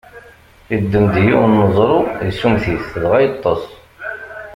Iddem-d yiwen n uẓru, issummet-it, dɣa yeṭṭeṣ.